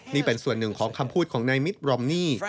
นี่เป็นส่วนหนึ่งของคำพูดของนายมิตรบรอมนี่